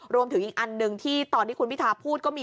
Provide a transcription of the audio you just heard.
รวมถึงอีกอันหนึ่งที่ตอนที่คุณพิทาพูดก็มี